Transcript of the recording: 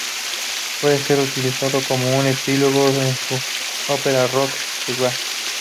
Puede ser utilizada como un epílogo a su ópera rock, "The Wall".